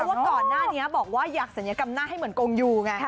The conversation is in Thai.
เพราะว่าก่อนหน้านี้บอกว่าอยากศัลยกรรมหน้าให้เหมือนกงยูไง